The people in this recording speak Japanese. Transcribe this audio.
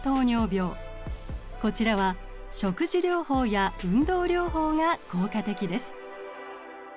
こちらは食事療法や運動療法が効果的です。